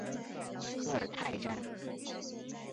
科尔泰站